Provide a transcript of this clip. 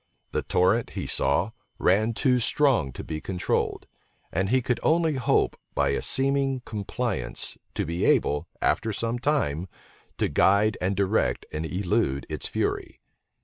The torrent, he saw, ran too strong to be controlled; and he could only hope, by a seeming compliance, to be able, after some time, to guide and direct and elude its fury.